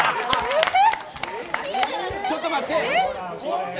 ちょっと待って。